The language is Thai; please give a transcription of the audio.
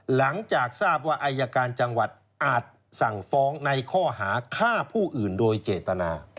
หลังจากทราบว่าอายการจังหวัดอาจสั่งฟ้องในข้อหาฆ่าผู้อื่นโดยเจตนา